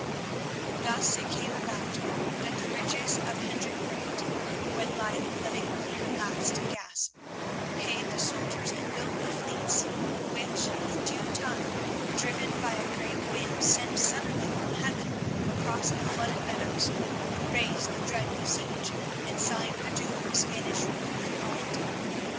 Thus it came about that the riches of Hendrik Brant, when Leyden lay at her last gasp, paid the soldiers and built the fleets which, in due time, driven by a great wind sent suddenly from heaven across the flooded meadows, raised the dreadful siege and signed the doom of Spanish rule in Holland.